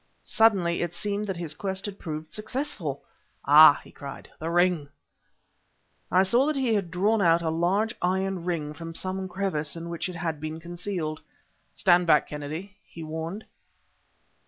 Suddenly it seemed that his quest had proved successful. "Ah!" he cried "the ring!" I saw that he had drawn out a large iron ring from some crevice in which it had been concealed. "Stand back, Kennedy!" he warned.